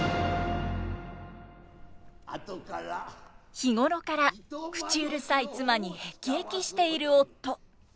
日頃から口うるさい妻に辟易している夫。